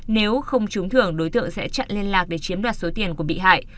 nếu không trúng thưởng đối tượng sẽ chặn liên lạc để chiếm đoạt số tiền của bị hại